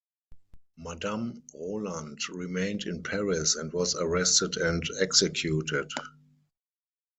Madame Roland remained in Paris and was arrested and executed.